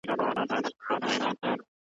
اوس د ابليس په دراوزو پريوزي